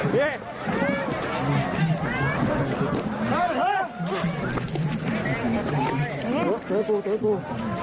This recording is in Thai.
เจอกู